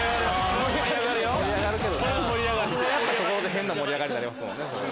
僕がやったところで変な盛り上がりになりますね。